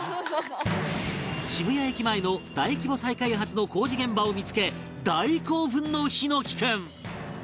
渋谷駅前の大規模再開発の工事現場を見付け大興奮の枇乃樹君！